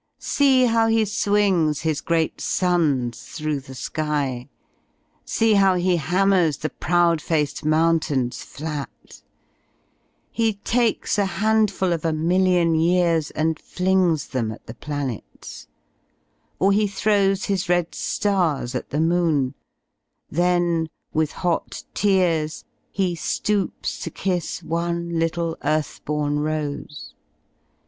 See boTO He swings His great suns through the sky, See hozo He hammers the proud faced mountains flat; He takes a handful of a million years And flings them at the planets; or He throws His red iiars at the moon; then with hot tears He Sloops to kiss one little earth born rose.